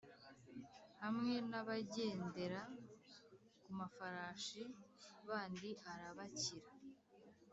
hamwe n’abagendera ku mafarashi bandi arabakira